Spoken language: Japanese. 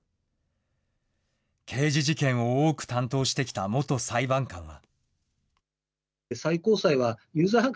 刑事事件を多く担当してきた元裁判官は。